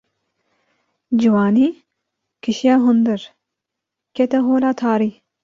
Ciwanî kişiya hundir, kete hola tarî.